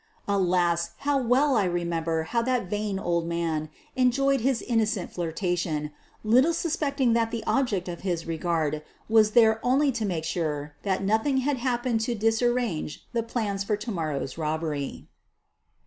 Alas! how well I remember how that vain old mau en QUEEN OF THE BURGLARS 31 joyed his innocent flirtation, little suspecting that the object of his regard was there only to make sure that nothing had happened to disarrange the plans for to morrow's robbery.